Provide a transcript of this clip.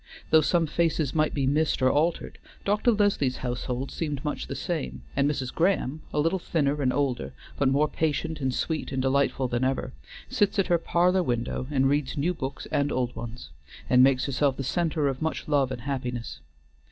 Though some faces might be missed or altered, Dr. Leslie's household seemed much the same, and Mrs. Graham, a little thinner and older, but more patient and sweet and delightful than ever, sits at her parlor window and reads new books and old ones, and makes herself the centre of much love and happiness.